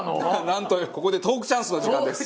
なんとここでトークチャンスの時間です。